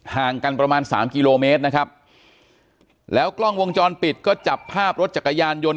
ห่างกันประมาณสามกิโลเมตรนะครับแล้วกล้องวงจรปิดก็จับภาพรถจักรยานยนต์